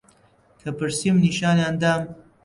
کە پرسیم نیشانیان دام